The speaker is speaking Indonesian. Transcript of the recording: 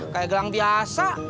kayak gelang biasa